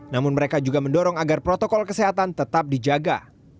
namun mereka juga mendorong agar protokol kesehatan tetap dijaga